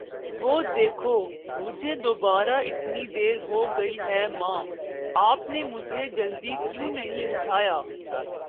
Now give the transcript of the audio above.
وه دیکھو. مجهے دوباره اتنی دیر ہو گئی ہے! ماں، آپ نے مجھے جلدی کیوں نہیں اٹھایا!